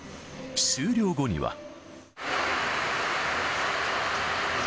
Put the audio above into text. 終了後には。